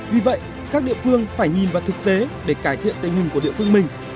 vì vậy các địa phương phải nhìn vào thực tế để cải thiện tình hình của địa phương mình